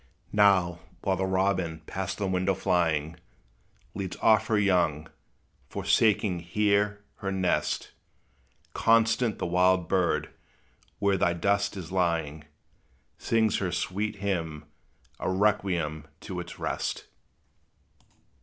Now, while the robin, past the window flying, Leads off her young, forsaking here her nest, Constant the wild bird, where thy dust is lying, Sings her sweet hymn, a requiem to its rest.